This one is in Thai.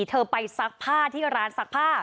เธอไปซักผ้าที่ร้านซักผ้า